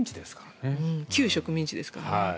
旧植民地ですからね。